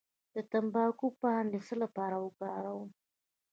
د تمباکو پاڼې د څه لپاره وکاروم؟